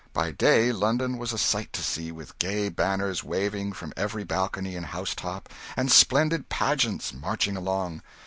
By day, London was a sight to see, with gay banners waving from every balcony and housetop, and splendid pageants marching along.